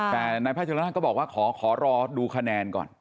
แต่ในภาคชุระน่านก็บอกว่าขอรอดูคะแนนก่อน